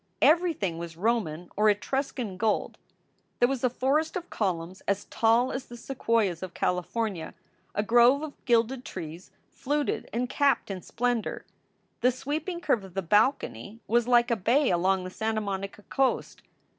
Every thing was Roman or Etruscan gold. There was a forest of columns as tall as the sequoias of California, a grove of gilded trees, fluted and capped in splendor. The sweeping curve of the balcony was like a bay along the Santa Monica coast.